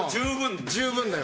十分だよね。